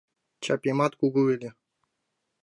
Чапемат кугу ыле: